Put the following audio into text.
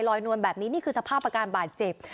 ลอยนวนแบบนี้นี่คือสภาพประการบาทเจ็บ